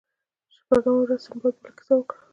شپږمه ورځ سنباد بله کیسه وکړه.